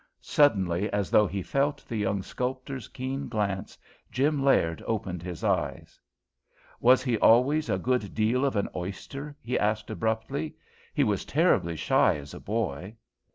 Suddenly, as though he felt the young sculptor's keen glance, Jim Laird opened his eyes. "Was he always a good deal of an oyster?" he asked abruptly. "He was terribly shy as a boy."